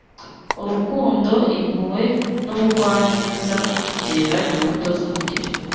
Urukundo, impuhwe n’ubugwaneza byera imbuto z’umugisha